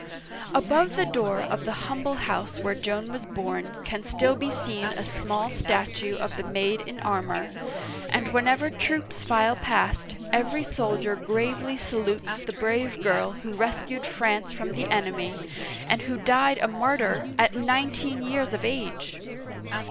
Above the door of the humble house where Joan was Digitized by Google 198 . OLD FRANCE born can still be seen a small statue of the Maid in armor, and whenever troops file past, every soldier gravely salutes the brave girl who rescued France from the enemy, and who died a martyr at nineteen years of age